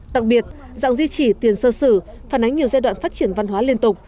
đặc biệt dạng di chỉ tiền sơ sử phản ánh nhiều giai đoạn phát triển văn hóa liên tục